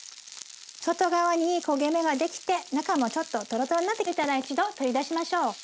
外側にいい焦げ目ができて中もちょっとトロトロになってきたら一度取り出しましょう。